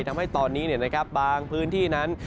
ทำให้ตอนนี้บางพื้นที่นั้น